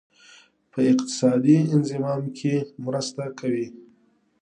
په اقتصادي انضمام کې مرسته کوي.